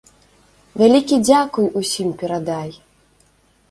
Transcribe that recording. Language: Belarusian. Вялікі дзякуй усім перадай!